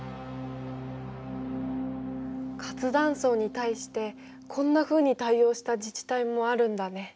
活断層に対してこんなふうに対応した自治体もあるんだね。